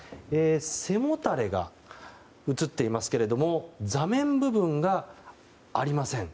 背もたれが写っていますが座面部分がありません。